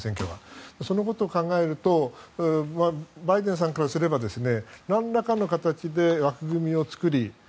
そのことを考えるとバイデンさんからすれば何らかの形で枠組みを作り